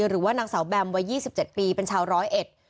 หรือว่านางสาวแบมวัน๒๗ปีเป็นชาวร้อยเอช